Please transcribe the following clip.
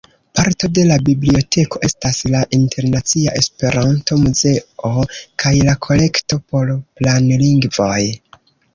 Parto de la biblioteko estas la Internacia Esperanto-Muzeo kaj la Kolekto por Planlingvoj.